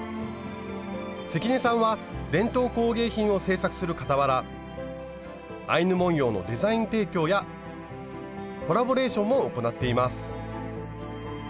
関根さんは伝統工芸品を製作するかたわらアイヌ文様のデザイン提供やコラボレーションも行っています。